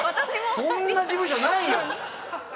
そんな事務所ないよ！